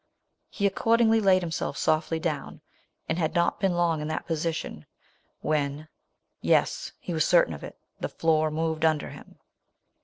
He accordingly laid himself softly down, and had not been long in that position when — yes — he was certain of it — the floor moved under him